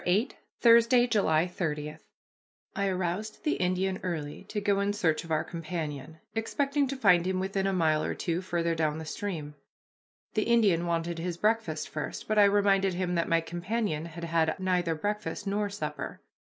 VIII THURSDAY, JULY 30 I aroused the Indian early to go in search of our companion, expecting to find him within a mile or two, farther down the stream. The Indian wanted his breakfast first, but I reminded him that my companion had had neither breakfast nor supper.